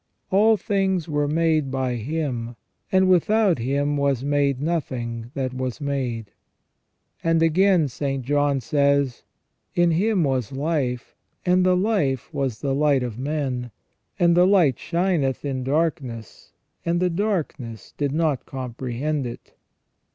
" All things were made by Him, and without Him was made nothing that was made." And again St. John says :" In Him was life, and the life was the light of men ; and the light shineth in darkness, and the darkness did not comprehend it